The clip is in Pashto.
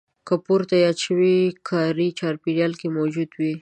که پورته یاد شوي په کاري چاپېریال کې موجود وي.